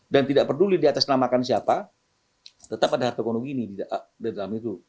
dan tidak peduli diatasnamakan siapa tetap ada harta konon gini di dalam itu